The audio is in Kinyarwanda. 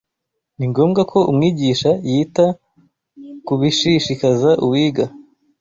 ningombwa ko umwigisha yita ku bishishikaza uwiga.